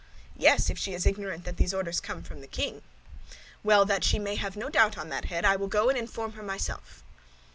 "Yes, if she is ignorant that these orders come from the king." "Well, that she may have no doubt on that head, I will go and inform her myself."